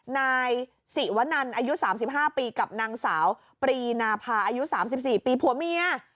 นายสิวนันอายุ๓๕ปีกับนางสาวปรีนาภาอายุ๓๔ปีผัวเมีย